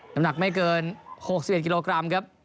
น้ำหนักไม่เกิน๖๑กิโลกรัมครับ